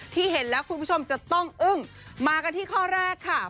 เห็นแล้วคุณผู้ชมจะต้องอึ้งมากันที่ข้อแรกค่ะ